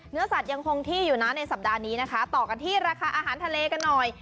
เนื้อสัตว์ยังคงที่อยู่นะในสัปดาห์นี้นะคะต่อกันที่ราคาอาหารทะเลกันหน่อย